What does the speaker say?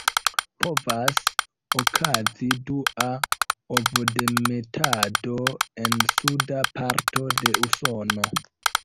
Povas okazi dua ovodemetado en suda parto de Usono.